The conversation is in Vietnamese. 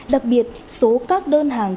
đặc biệt số các đơn hàng